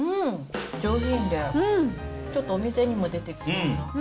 上品でちょっとお店にも出てきそうな。